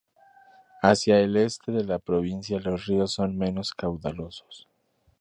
Hacia el este de la provincia los ríos son menos caudalosos.